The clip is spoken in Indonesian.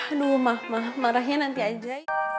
aduh mah marahnya nanti aja